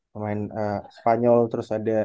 yang main spanyol terus ada